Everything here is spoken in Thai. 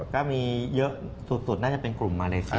ก็มีเยอะสุดน่าจะเป็นกลุ่มมาเลเซีย